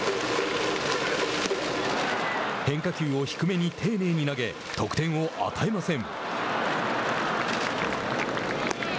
変化球を低めに丁寧に投げ得点を与えません。